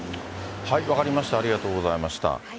分かりました、ありがとうございました。